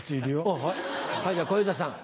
はい、じゃあ、小遊三さん。